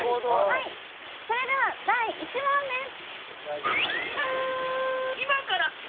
それでは第１問です！